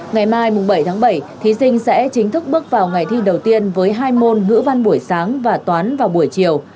ngày mai bảy tháng bảy thí sinh sẽ chính thức bước vào ngày thi đầu tiên với hai môn ngữ văn buổi sáng và toán vào buổi chiều